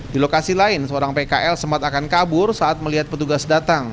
di lokasi lain seorang pkl sempat akan kabur saat melihat petugas datang